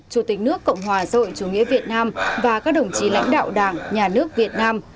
chủ tịch nước cộng hòa xã hội chủ nghĩa việt nam và các đồng chí lãnh đạo đảng nhà nước việt nam